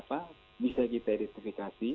pelaku pelaku yang bisa kita identifikasi